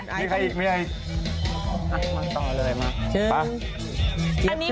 มีใครอีกมาต่อเลยมา